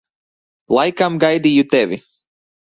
Laikam gaidīju tevi.